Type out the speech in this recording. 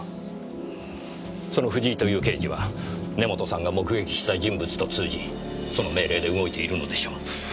その藤井という刑事は根元さんが目撃した人物と通じその命令で動いているのでしょう。